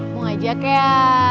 mau ngajak ya